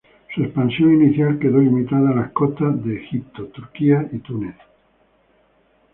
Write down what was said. Su expansión inicial quedó limitada a las costas de Egipto, Turquía y Túnez.